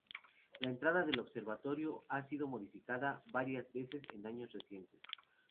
La entrada del observatorio ha sido modificada varias veces en años recientes.